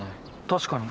確かに。